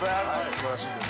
素晴らしいです。